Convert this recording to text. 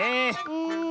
うん。